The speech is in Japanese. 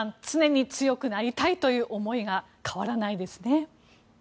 常に強くなりたいという思いが変わらないですね。